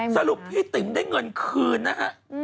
สรุปพี่ติ๋มได้เงินคืนนะฮะ